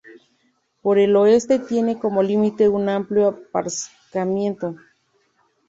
Por el oeste tiene como límite un amplio aparcamiento.